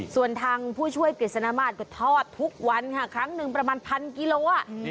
ส่วนทางผู้ช่วยกฤษณาศก็ทอดทุกวันค่ะครั้งหนึ่งประมาณพันกิโล